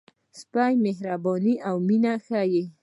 سپي مهرباني او مینه ښيي.